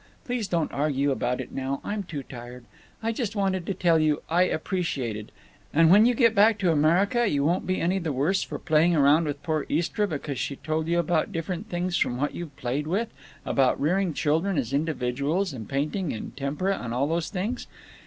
Please don't argue about it now; I'm too tired. I just wanted to tell you I appreciated—And when you get back to America you won't be any the worse for playing around with poor Istra because she told you about different things from what you've played with, about rearing children as individuals and painting in tempera and all those things?